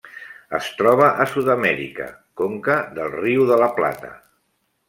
Es troba a Sud-amèrica: conca del riu de La Plata.